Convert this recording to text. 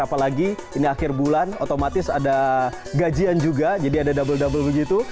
apalagi ini akhir bulan otomatis ada gajian juga jadi ada double double begitu